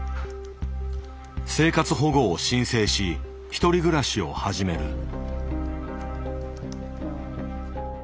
生活保護を申請し１人暮らしを始める。